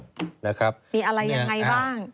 มีอะไรยังไงบ้าง